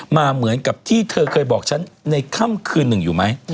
มาเหมือนกับที่เธอเคยบอกฉันในค่ำคืนหนึ่งอยู่ไหม